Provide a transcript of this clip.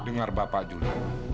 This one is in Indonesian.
dengar bapak juli